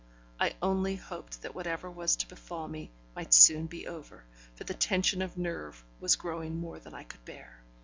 I only hoped that whatever was to befall me might soon be over, for the tension of nerve was growing more than I could bear.